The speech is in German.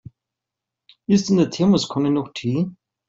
Ist in der Thermoskanne noch Tee?